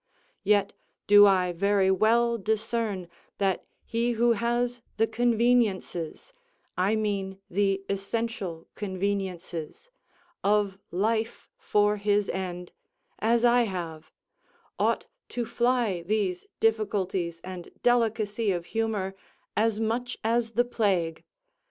Yet do I very well discern that he who has the conveniences (I mean the essential conveniences) of life for his end, as I have, ought to fly these difficulties and delicacy of humour, as much as the plague.